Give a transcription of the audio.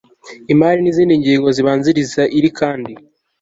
imari n izindi ngingo zibanziriza iri kandi